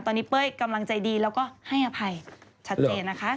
ตอนนี้เป้ยกำลังใจดีแล้วก็ให้อภัยชัดเจนนะคะ